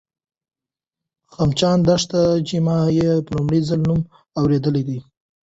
د خمچان دښته، چې ما یې په لومړي ځل نوم اورېدی دی